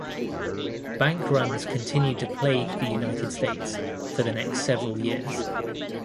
Bank runs continued to plague the United States for the next several years.